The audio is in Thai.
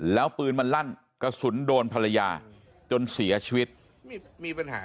แล้วปืนมันลั่นกระสุนโดนภรรยาจนเสียชีวิตมีปัญหา